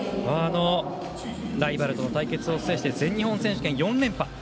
ライバルとの対決を制して全日本選手権４連覇。